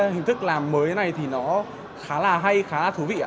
hình thức làm mới này thì nó khá là hay khá là thú vị